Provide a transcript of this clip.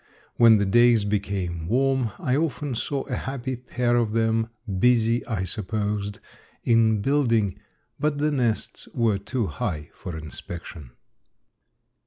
When the days became warm I often saw a happy pair of them, busy, I supposed, in building, but the nests were too high for inspection.